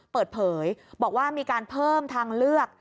เปิดเผยบอกว่ามีการเพิ่มทางเลือก